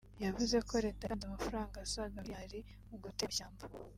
yavuze ko Leta yatanze amafaranga asaga Miliyari mu gutera amashyamba